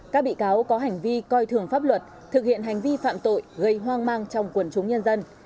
các bị cáo có hành vi coi thường pháp luật thực hiện hành vi phạm tội gây hoang mang trong quần chúng nhân dân